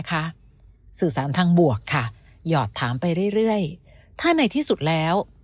สื่อสารทางบวกค่ะหยอดถามไปเรื่อยถ้าในที่สุดแล้ว